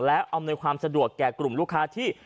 และอำนวยความสะดวกแก่กลุ่มลูกค้าที่